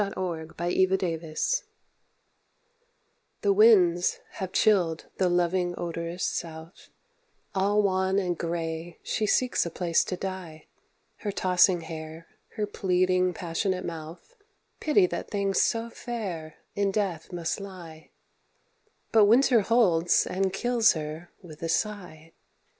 DEAR DEAD WOMEN The winds have chilled the loving odorous South, All wan and grey she seeks a place to die, Her tossing hair, her pleading passionate mouth, Pity that things so fair in death must lie; But Winter holds and kills her with a sigh.